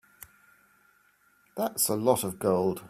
That's a lot of gold.